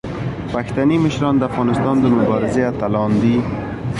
پښتني مشران د افغانستان د مبارزې اتلان دي.